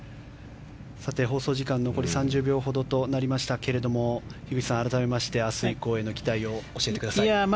放送時間が残り３０秒ほどとなりましたけど樋口さん、改めまして明日以降への期待を教えてください。